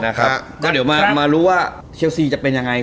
ก็เดี๋ยวมารู้ว่าเชลซีจะเป็นยังไง